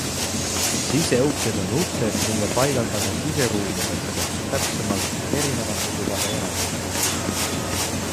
Siseuksed on uksed, mille paigaldame siseruumidesse, täpsemalt erinevate tubade eraldamiseks.